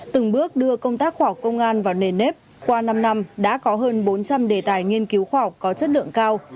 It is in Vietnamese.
từng bước đưa công tác khoa học công an vào nền nếp qua năm năm đã có hơn bốn trăm linh đề tài nghiên cứu khoa học có chất lượng cao